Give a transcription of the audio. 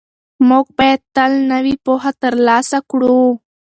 موږ باید تل نوې پوهه ترلاسه کړو.